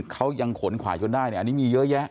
เขายังขนขวาจนได้เนี่ยอันนี้มีเยอะแยะ